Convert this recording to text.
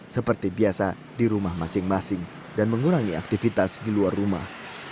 seperti biasa di rumah masing masing dan mengurangi aktivitas di luar rumah